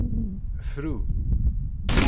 Fru.